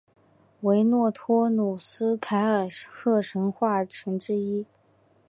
维诺托努斯凯尔特神话神只之一。